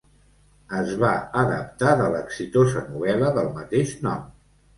Es va adaptar de l'exitosa novel·la del mateix nom.